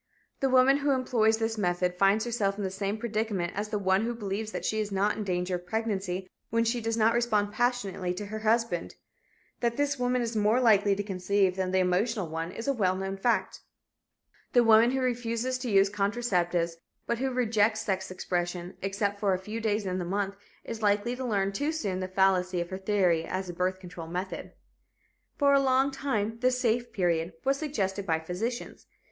The woman who employs this method finds herself in the same predicament as the one who believes that she is not in danger of pregnancy when she does not respond passionately to her husband. That this woman is more likely to conceive than the emotional one, is a well known fact. The woman who refuses to use contraceptives, but who rejects sex expression except for a few days in the month, is likely to learn too soon the fallacy of her theory as a birth control method. For a long time the "safe period" was suggested by physicians.